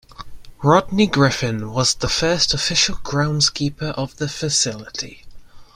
Rodney Griffin was the first official groundskeeper of the facility.